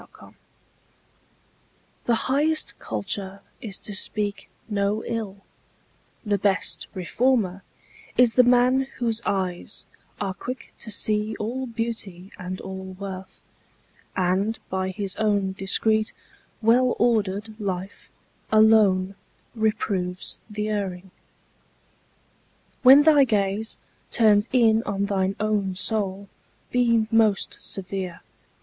TRUE CULTURE The highest culture is to speak no ill, The best reformer is the man whose eyes Are quick to see all beauty and all worth; And by his own discreet, well ordered life, Alone reproves the erring. When thy gaze Turns in on thine own soul, be most severe.